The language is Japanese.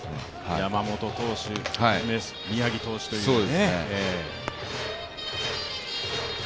山本投手、宮城投手というね。